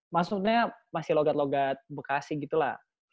maksudnya masih logat logat bekasi gitu lah